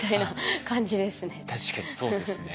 確かにそうですね。